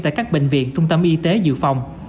tại các bệnh viện trung tâm y tế dự phòng